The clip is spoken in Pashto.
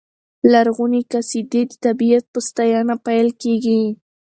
لرغونې قصیدې د طبیعت په ستاینه پیل کېږي.